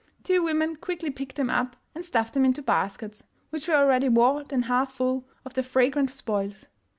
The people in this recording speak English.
Two women quickly picked them up and stuffed them into baskets, which were already more than half full of the fragrant spoils.